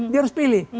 dia harus pilih